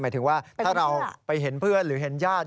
ถึงว่าถ้าเราไปเห็นเพื่อนหรือเห็นญาติ